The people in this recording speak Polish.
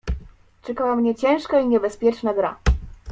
"Czekała mnie ciężka i niebezpieczna gra."